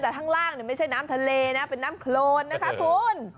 แต่ข้างล่างไม่ใช่น้ำทะเลนะเป็นน้ำโครนนะคะคุณ